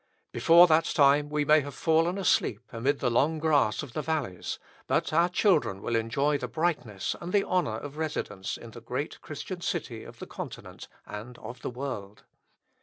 Before that time we may have fallen asleep amid the long grass of the valleys, but our children will enjoy the brightness and the honour of residence in the great Christian city of the continent and of the world.